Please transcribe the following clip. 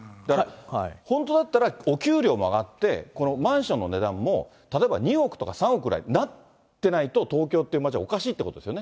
本当だったら、お給料も上がって、このマンションの値段も、例えば、２億とか３億ぐらいなってないと、東京という街はおかしいってことですよね？